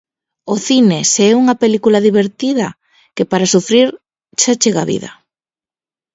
O cine, se é unha película divertida, que para sufrir xa chega a vida.